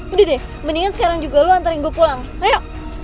udah deh mendingan sekarang juga lo antarin gue pulang ayo